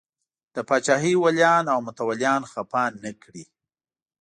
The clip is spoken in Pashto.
د پاچاهۍ ولیان او متولیان خفه نه کړي.